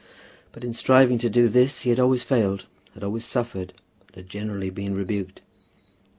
But in striving to do this he had always failed, had always suffered, and had generally been rebuked.